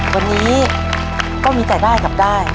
วันนี้ก็มีแต่ได้กับได้